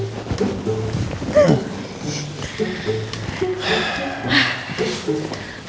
aku mau ke rumah